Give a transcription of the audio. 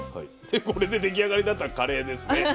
これで出来上がりだったらカレーですね。